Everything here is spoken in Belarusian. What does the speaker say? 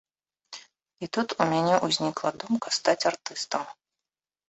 І тут у мяне ўзнікла думка стаць артыстам.